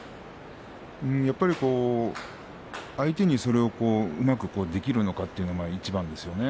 やっぱり相手にそれを、うまくできるのかというのがいちばんですよね